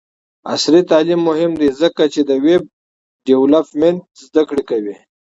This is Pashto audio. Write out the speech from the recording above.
عصري تعلیم مهم دی ځکه چې د ویب ډیولپمنټ زدکړه کوي.